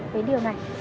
với điều này